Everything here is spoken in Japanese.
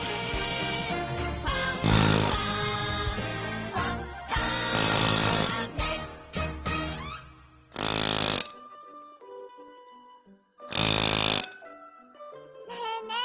「ファンファンファン」ねえねえ